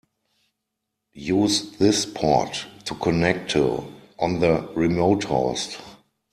Use this port to connect to on the remote host.